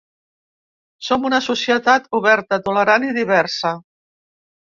Som una societat oberta, tolerant i diversa.